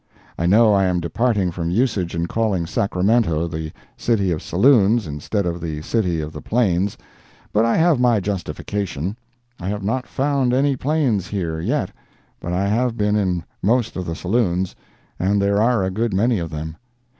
I know I am departing from usage in calling Sacramento the City of Saloons instead of the City of the Plains, but I have my justification—I have not found any plains, here, yet, but I have been in most of the saloons, and there are a good many of them.